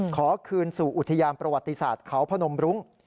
ขอคืนสู่อุทยานประวัติศาสตร์เขาพนมรุ้ง